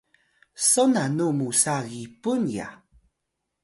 son nanu musa Gipun ya?